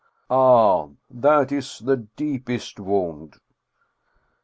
Ah, that is the deepest wound!